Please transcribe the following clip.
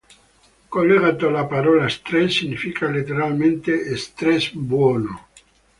Collegato alla parola "stress", significa letteralmente "stress buono".